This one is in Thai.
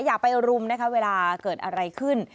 อย่าไปรุมนะคะเวลาเกิดอะไรขึ้น